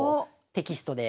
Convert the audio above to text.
テキストに。